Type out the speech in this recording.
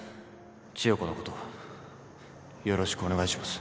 千代子のことよろしくお願いします